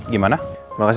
ya yang kan